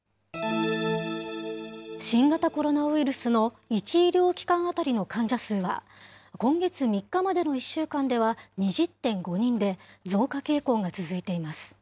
新型コロナウイルスの１医療機関当たりの患者数は、今月３日までの１週間では２０．５人で、増加傾向が続いています。